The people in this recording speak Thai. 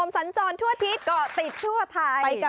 สนุนโดยอีซุสุข